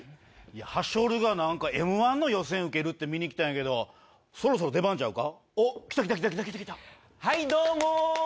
はしょるがなんか、Ｍー１の予選うけるって見に来たんやけど、そろそろ出番ちゃうか。